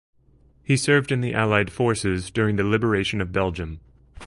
He served in the Allied forces during the liberation of Belgium.